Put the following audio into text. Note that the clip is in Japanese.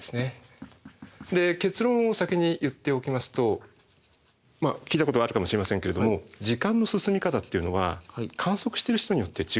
で結論を先に言っておきますと聞いたことあるかもしれませんけれども時間の進み方っていうのは観測してる人によって違ってくると。